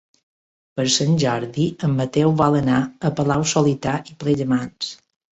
Per Sant Jordi en Mateu vol anar a Palau-solità i Plegamans.